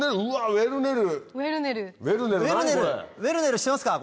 ウェルネルしてますか？